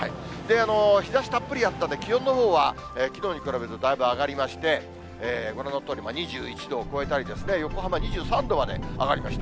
日ざしたっぷりあったんで、気温のほうはきのうに比べるとだいぶ上がりまして、ご覧のとおり、２１度を超えたり、横浜２３度まで上がりました。